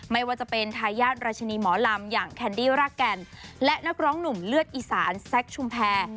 ไม่ว่าจะเป็นทายาทราชินีหมอลำอย่างแคนดี้รากแก่นและนักร้องหนุ่มเลือดอีสานแซคชุมแพร